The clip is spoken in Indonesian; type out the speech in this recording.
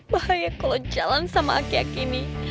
bahaya kalau jalan sama aki aki nih